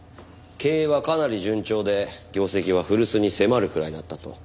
経営はかなり順調で業績は古巣に迫るくらいだったと。